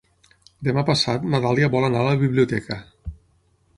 Demà passat na Dàlia vol anar a la biblioteca.